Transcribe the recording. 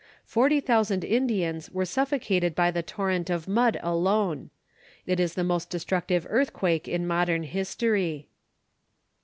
Forty thousand Indians were suffocated by the torrent of mud alone. It is the most destructive earthquake in modern history.